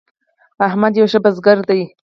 احمد یو ښه بزګر دی.